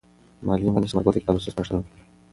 معلم غني ثمر ګل ته د کتاب لوستلو سپارښتنه وکړه.